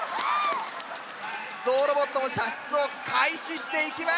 ゾウロボットも射出を開始していきます！